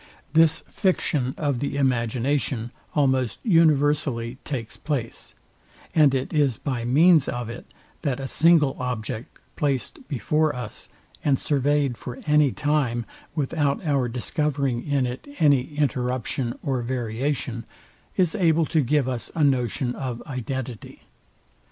This fiction of the imagination almost universally takes place; and it is by means of it, that a single object, placd before us, and surveyd for any time without our discovering in it any interruption or variation, is able to give us a notion of identity.